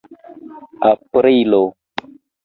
aprilo